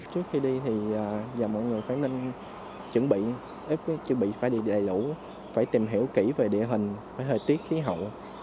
trước khi đi thì mọi người phải chuẩn bị phải đi đầy lũ phải tìm hiểu kỹ về địa hình hơi tiết khí hậu